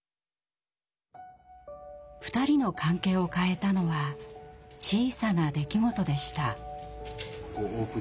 ２人の関係を変えたのは小さな出来事でした。